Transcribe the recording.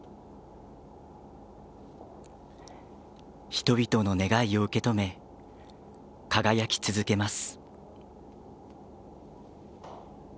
人々の願いを受け止め輝き続けます。